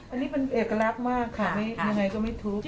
อันนี้เป็นเอกลักษณ์มากค่ะยังไงก็ไม่ทุบ